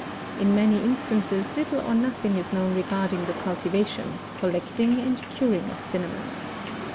In many instances little or nothing is known regarding the cultivation, collecting and curing of cinnamons.